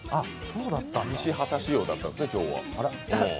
西畑仕様だったんですね、今日は。